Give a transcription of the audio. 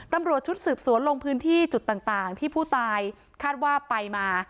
ตำรวจชุดสืบสวนลงพื้นที่จุดต่างที่ผู้ตายคาดว่าไปมา